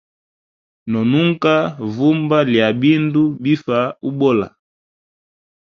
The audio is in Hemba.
No nunka vumba lya bindu bifa ubola.